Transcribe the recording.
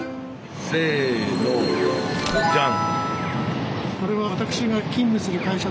せのじゃん。